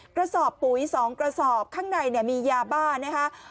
กระสอบปุ๋ย๒กระสอบข้างในมียาบ้านะคะ